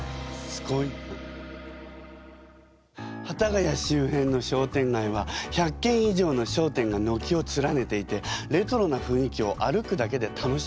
幡ヶ谷周辺の商店街は１００けん以上の商店がのきを連ねていてレトロなふんいきを歩くだけで楽しめるの。